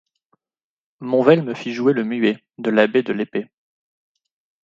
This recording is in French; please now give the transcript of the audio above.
Monvel me fit jouer le Muet, de l'abbé de l'Épée.